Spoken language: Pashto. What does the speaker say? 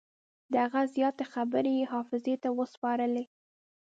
د هغه زیاتې برخې یې حافظې ته وسپارلې.